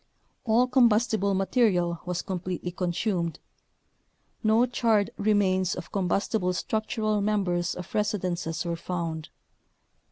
All combustible material was completely consumed. No charred remains of combustible structural members of residences were found.